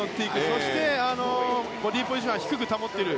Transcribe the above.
そして、ボディーポジションは低く保っている。